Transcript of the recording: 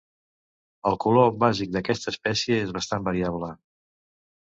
El color bàsic d'aquesta espècie és bastant variable.